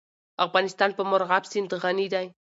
افغانستان په مورغاب سیند غني دی.